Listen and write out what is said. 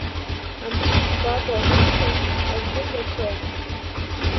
Амшын Шкәакәа аҟынгьы аӡы иаҵәоуп.